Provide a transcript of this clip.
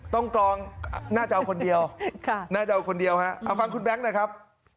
กรองน่าจะเอาคนเดียวน่าจะเอาคนเดียวฮะเอาฟังคุณแบงค์หน่อยครับ